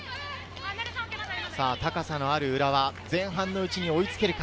高さのある浦和、前半のうちに追いつけるか。